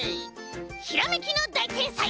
ひらめきのだいてんさい！